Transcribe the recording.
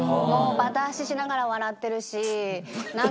バタ足しながら笑ってる？